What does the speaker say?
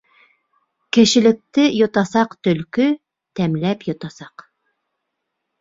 Кешелекте йотасаҡ төлкө, тәмләп йотасаҡ.